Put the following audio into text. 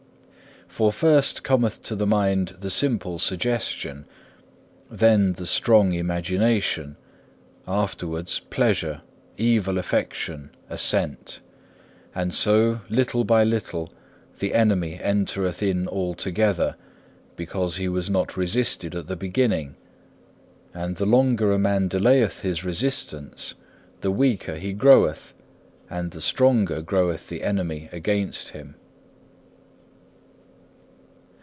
For first cometh to the mind the simple suggestion, then the strong imagination, afterwards pleasure, evil affection, assent. And so little by little the enemy entereth in altogether, because he was not resisted at the beginning. And the longer a man delayeth his resistance, the weaker he groweth, and the stronger groweth the enemy against him.